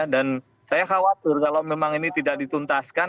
dan saya khawatir kalau memang ini tidak dituntaskan